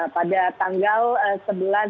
pada tanggal sebelumnya